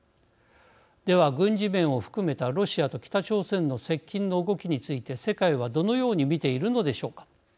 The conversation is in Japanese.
では、軍事面を含めたロシアと北朝鮮の接近の動きについて世界はどのように見ているのでしょうか。